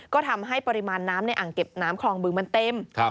ก็ทำให้ปริมาณน้ำในอ่างเก็บน้ำคลองบึงมันเต็ม